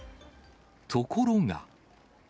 ところが。